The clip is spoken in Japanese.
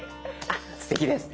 あっすてきです。